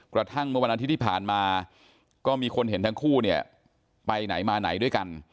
กระทั่งเมื่อวันอาทิตย์ที่ผ่านมาก็มีคนเห็นทั้งคู่เนี่ยไปไหนมาไหนด้วยกัน